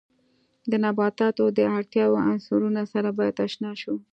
د نباتاتو د اړتیاوو عنصرونو سره باید آشنا شو.